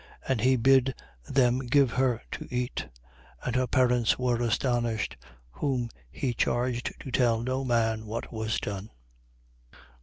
And he bid them give her to eat. 8:56. And her parents were astonished, whom he charged to tell no man what was done.